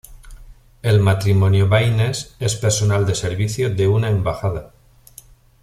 El matrimonio Baines es personal de servicio de una embajada.